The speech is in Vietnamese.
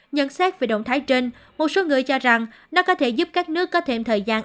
nhận xét về động thái trên một số người cho rằng nó có thể giúp các nước có thêm thời gian